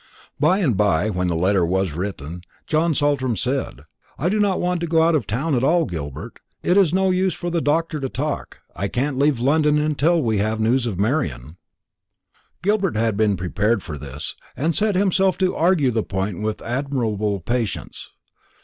By and by, when the letter was written, John Saltram said, "I do not want to go out of town at all, Gilbert. It's no use for the doctor to talk; I can't leave London till we have news of Marian." Gilbert had been prepared for this, and set himself to argue the point with admirable patience.